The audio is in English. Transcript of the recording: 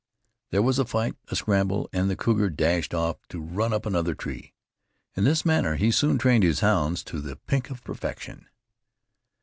There was a fight, a scramble, and the cougar dashed off to run up another tree. In this manner, he soon trained his hounds to the pink of perfection.